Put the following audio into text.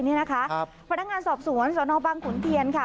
นี่นะคะพนักงานสอบสวนสนบังขุนเทียนค่ะ